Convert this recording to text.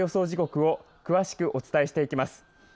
時刻を詳しくお伝えしていきます。